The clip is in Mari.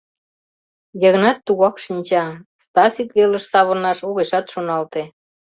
— Йыгнат тугак шинча, Стасик велыш савырнаш огешат шоналте.